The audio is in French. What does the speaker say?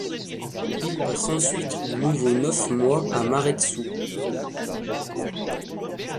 Il passe ensuite de nouveau neuf mois à Maredsous.